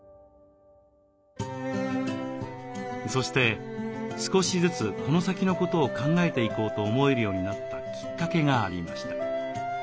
そして少しずつこの先のことを考えていこうと思えるようになったきっかけがありました。